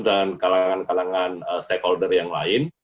dan kalangan kalangan stakeholder yang lain